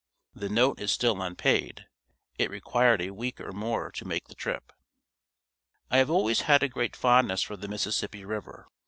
The note is still unpaid. It required a week or more to make the trip. I have always had a great fondness for the Mississippi River.